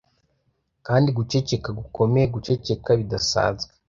Kandi guceceka, gukomeye, guceceka bidasanzwe,